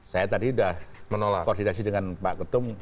saya tadi sudah koordinasi dengan pak ketum